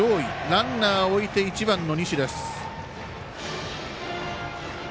ランナー置いて１番の西です。